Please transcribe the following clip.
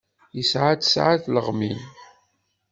Yesɛa tesɛa n tleɣmin.